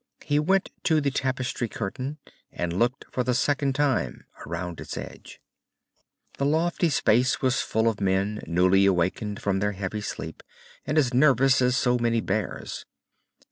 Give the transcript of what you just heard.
He went to the tapestry curtain and looked for the second time around its edge. The lofty space was full of men, newly wakened from their heavy sleep and as nervous as so many bears.